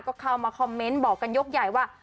ก็เข้ามาคอมเมนต์บอกกันยกใหญ่ว่า